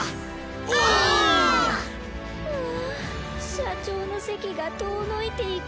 社長の席が遠のいていく。